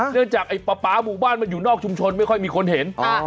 เรื่องจากไอ้ป๊าป๊าหมู่บ้านมันอยู่นอกชุมชนไม่ค่อยมีคนเห็น